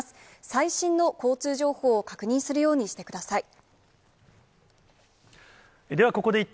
最新の交通情報を確認するようにしてください。